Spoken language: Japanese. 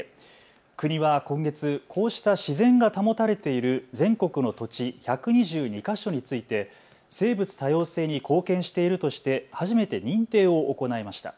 国は今月、こうした自然が保たれている全国の土地１２２か所について生物多様性に貢献しているとして初めて認定を行いました。